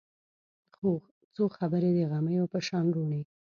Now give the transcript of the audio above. څو خبرې د غمیو په شان روڼې